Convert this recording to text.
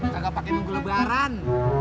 kagak pakai tunggu lebaran